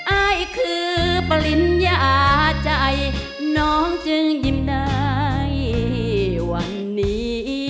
อายคือปริญญาใจน้องจึงยิ้มได้วันนี้